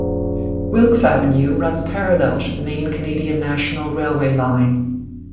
Wilkes Avenue runs parallel to the main Canadian National Railway line.